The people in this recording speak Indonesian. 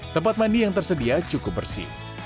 tempat mandi yang tersedia cukup bersih